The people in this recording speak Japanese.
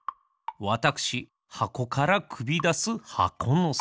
わたくしはこからくびだす箱のすけ。